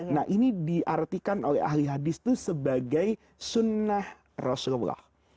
nah ini diartikan oleh ahli hadis itu sebagai sunnah rasulullah